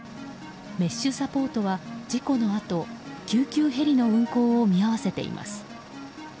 ＭＥＳＨサポートは事故のあと救急ヘリの運航を見合わせています。